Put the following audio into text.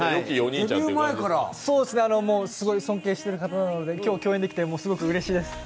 すごい尊敬している方なので今日共演できてすごくうれしいです。